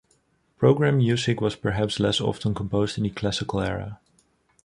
Program music was perhaps less often composed in the Classical era.